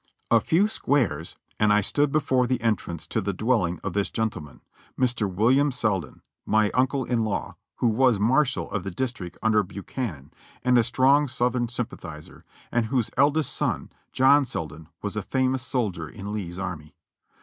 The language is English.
., i n f A few squares and I stood before the entrance to the dwelling ot this gentleman, Mr. William Selden, my uncle in law, who was Marshal of the District under Buchanan, and a strong Southern sympathizer, and whose eldest son. John Selden, was a famous sol dier in Lee's army.